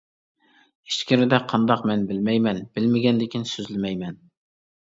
ئىچكىرىدە قانداق مەن بىلمەيمەن، بىلمىگەندىكىن سۆزلىمەيمەن.